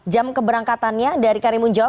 jam keberangkatannya dari karimun jawa